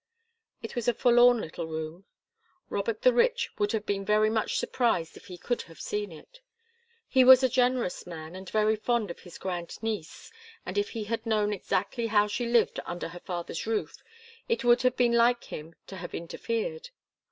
It was a forlorn little room. Robert the Rich would have been very much surprised if he could have seen it. He was a generous man, and was very fond of his grand niece, and if he had known exactly how she lived under her father's roof it would have been like him to have interfered.